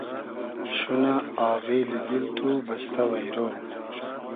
شونۂ آغیلی دیل تو بئستۂ وݷرۉ